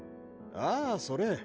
あぁそれ？